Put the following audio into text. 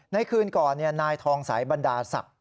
คืนก่อนนายทองสายบรรดาศักดิ์